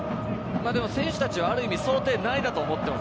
選手たちはある意味、想定内だと思っています。